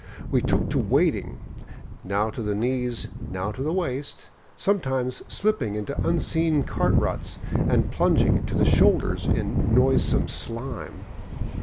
We took to wading, now to the knees, now to the waist, sometimes slipping into unseen cart ruts and plunging to the shoulders in noisome slime.